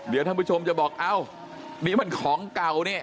เดี๋ยวท่านผู้ชมจะบอกเอ้านี่มันของเก่านี่